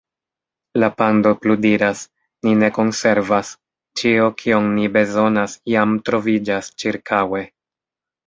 La pando pludiras: "Ni ne konservas. Ĉio, kion ni bezonas jam troviĝas ĉirkaŭe."